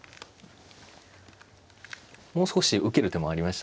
もう少し受ける手もありました。